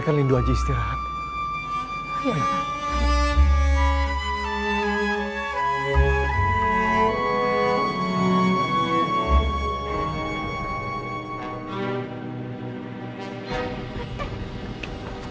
bukan sono kali pasti bisa membantu kakak